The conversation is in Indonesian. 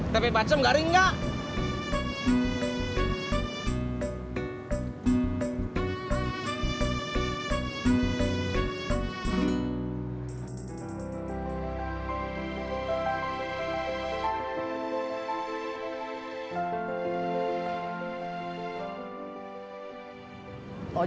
tepe bacem garing enggak